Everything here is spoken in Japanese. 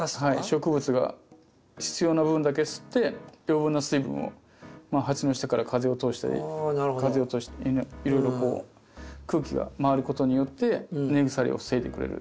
植物が必要な分だけ吸って余分な水分を鉢の下から風を通したりいろいろ空気が回ることによって根腐れを防いでくれる。